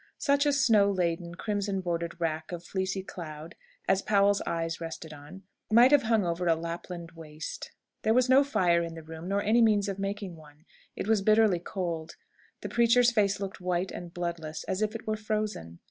Such a snow laden, crimson bordered wrack of fleecy cloud, as Powell's eyes rested on, might have hung over a Lapland waste. There was no fire in the room, nor any means of making one. It was bitterly cold. The preacher's face looked white and bloodless, as if it were frozen.